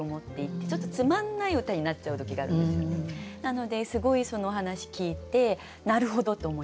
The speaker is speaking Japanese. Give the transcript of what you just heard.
なのですごいそのお話聞いてなるほどと思いました。